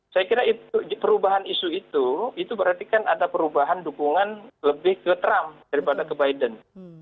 saya kira itu perubahan isu itu itu berarti kan ada perubahan dukungan lebih ke trump daripada ke biden